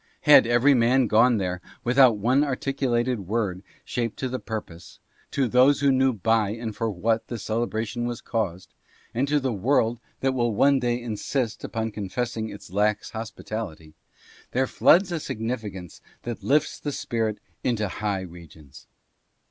Had every man gone there without one articulated word shaped to the pur pose, to those who knew by and for what the celebration was caused, and to the world that will one day insist upon confessing its lax hospitality, there floods a significance that lifts the spirit into high regions.